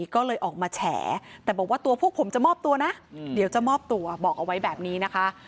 ก็เลยออกมาแฉแต่บอกว่าตัวพวกผมจะมอบตัวนะเดี๋ยวจะมอบตัวบอกเอาไว้แบบนี้นะคะ